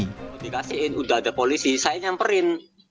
kalau dikasihin udah ada polisi saya nyamperin